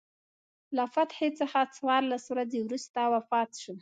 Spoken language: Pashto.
له فتحې څخه څوارلس ورځې وروسته وفات شو.